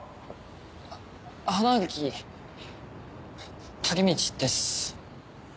あっ花垣武道です。